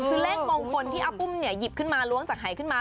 คือเลขมงคลที่อาปุ้มเนี่ยหยิบขึ้นมาล้วงจากหายขึ้นมา